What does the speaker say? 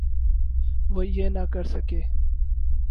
وہ یہ نہ کر سکے۔